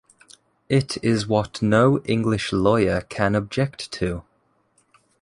It is what no English lawyer can object to.